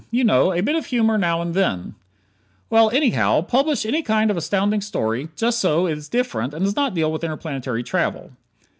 You know: "A bit of humor now and then " Well, anyhow, publish any kind of astounding story, just so it is different and does not deal with interplanetary travel.